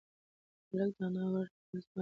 هلک د انا غاړې ته لاسونه واچول.